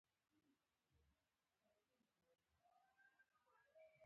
د دوی د ډلې د یوه بل ځوان پوښتنه وکړه.